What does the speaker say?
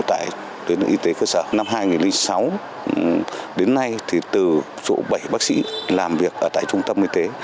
tại tuyến y tế cơ sở năm hai nghìn sáu đến nay thì từ chỗ bảy bác sĩ làm việc ở tại trung tâm y tế